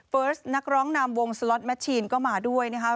เฟิร์สนักร้องนามวงสล็อตแมทชีนก็มาด้วยนะฮะ